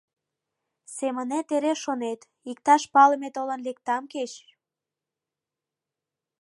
Семынет эре шонет: иктаж палыме толын лектам кеч!